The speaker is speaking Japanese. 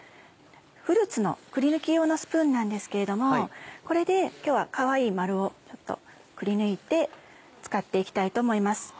フルーツのくりぬき用のスプーンなんですけれどもこれで今日はかわいい丸をちょっとくりぬいて使って行きたいと思います。